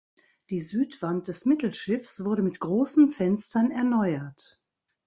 Die Südwand des Mittelschiffs wurde mit großen Fenstern erneuert.